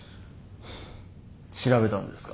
調べたんですか。